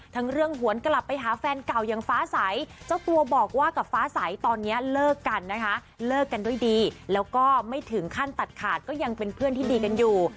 เรื่องหวนกลับไปหาแฟนเก่าอย่างฟ้าใสเจ้าตัวบอกว่ากับฟ้าใสตอนนี้เลิกกันนะคะเลิกกันด้วยดีแล้วก็ไม่ถึงขั้นตัดขาดก็ยังเป็นเพื่อนที่ดีกันอยู่